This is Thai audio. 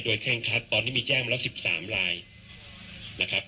โดยแค่งคัดตอนนี้มีแจ้งมาแล้วสิบสามลายนะครับ